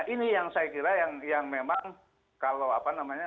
ini yang saya kira yang memang kalau apa namanya